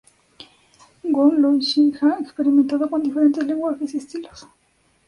Wong Loi Sing ha experimentado con diferentes lenguajes y estilos.